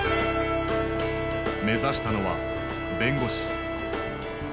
目指したのは弁護士。